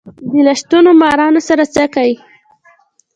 د لستوڼو مارانو سره څه کئ.